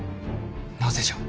なぜじゃ。